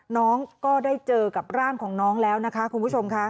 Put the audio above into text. น้องก็ได้เจอกับร่างของน้องแล้วนะคะคุณผู้ชมค่ะ